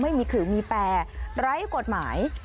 ไม่มีขื่อมีแปรไร้กฎหมาย